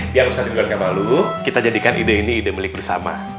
biar ustadz ridwan gak malu kita jadikan ide ini ide melik bersama